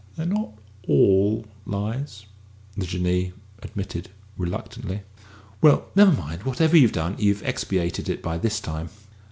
"They are not all lies," the Jinnee admitted reluctantly. "Well, never mind. Whatever you've done, you've expiated it by this time."